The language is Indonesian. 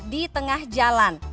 di tengah jalan